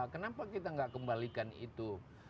kenapa kita nggak kembalikan itu